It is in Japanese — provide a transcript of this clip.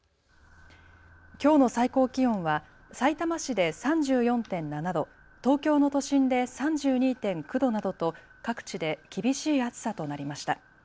きょうの最高気温はさいたま市で３４．７度、東京の都心で３２．９度などと各地で厳しい暑さとなりました。